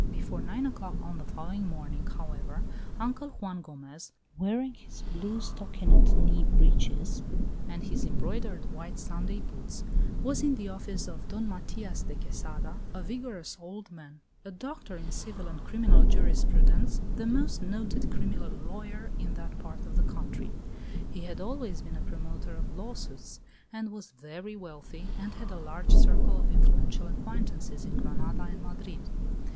Before nine o'clock on the following morning, however, Uncle Juan Gomez, wearing his blue stockinet knee breeches and his embroidered white Sunday boots, was in the office of Don Matias de Quesada, a vigorous old man, a doctor in civil and criminal jurisprudence, the most noted criminal lawyer in that part of the country. He had always been a promoter of lawsuits, and was very wealthy, and had a large circle of influential acquaintances in Granada and Madrid.